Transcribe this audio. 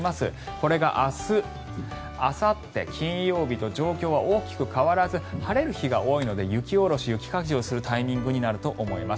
これが明日、あさって金曜日と状況は大きく変わらず晴れる日が多いので雪下ろし、雪かきをするタイミングになると思います。